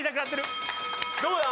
どうだ？